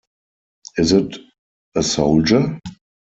Is it a soldier?